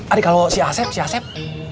adik kalau si asep si asep